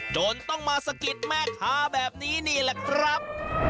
จนต้องมาสะกิดแม่ค้าแบบนี้นี่แหละครับ